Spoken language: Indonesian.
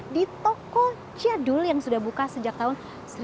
di toko jadul yang sudah buka sejak tahun seribu sembilan ratus delapan puluh